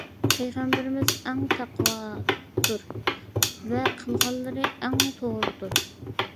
پەيغەمبىرىمىز ئەڭ تەقۋادۇر، ۋە قىلغانلىرى ئەڭ توغرىدۇر.